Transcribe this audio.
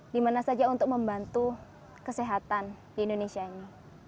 di mana saja untuk membantu kesehatan di indonesia ini